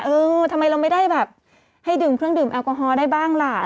เออทำไมเราไม่ได้แบบให้ดื่มเครื่องดื่มแอลกอฮอลได้บ้างล่ะ